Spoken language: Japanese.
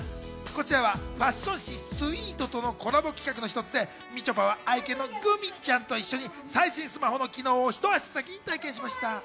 こちらはファッション誌『ｓｗｅｅｔ』とのコラボ企画の一つで、みちょぱは愛犬のぐみちゃんと一緒に最新スマホの機能をひと足先に体験しました。